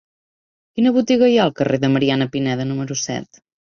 Quina botiga hi ha al carrer de Mariana Pineda número set?